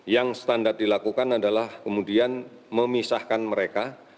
yang standar dilakukan adalah kemudian memisahkan mereka